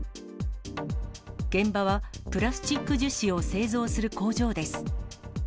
現場はプラスチック樹脂を製造する工場です。